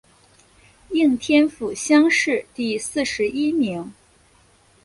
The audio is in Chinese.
应天府乡试第四十一名。